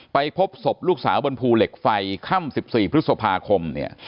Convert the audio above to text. ไปพบศพลูกสาวบนภูเหล็กไฟค่ำ๑๔พฤษภาคมเนี่ย